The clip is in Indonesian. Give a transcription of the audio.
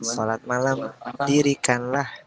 felak malam dirikanlah